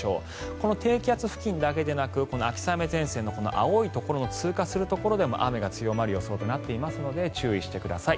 この低気圧付近だけでなく秋雨前線の青いところの通過するところでも雨が強まる予想となっていますので注意してください。